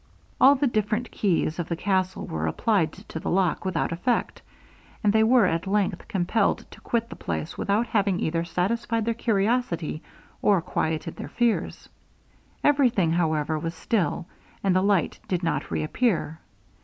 All the different keys of the castle were applied to the lock, without effect, and they were at length compelled to quit the place, without having either satisfied their curiosity, or quieted their fears. Everything, however, was still, and the light did not reappear.